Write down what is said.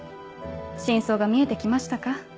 真相が見えて来ましたか？